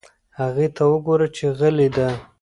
هغې ته وگوره چې غلې ده.